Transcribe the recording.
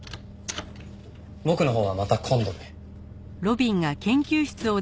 僕のほうはまた今度で。